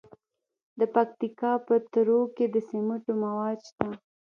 د پکتیکا په تروو کې د سمنټو مواد شته.